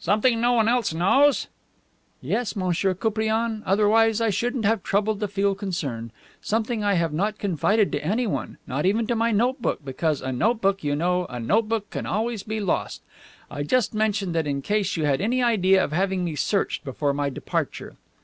"Something no one else knows?" "Yes, Monsieur Koupriane, otherwise I shouldn't have troubled to feel concerned. Something I have not confided to anyone, not even to my note book, because a note book, you know, a note book can always be lost. I just mention that in case you had any idea of having me searched before my departure."